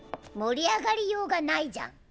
盛り上がりようがないじゃん。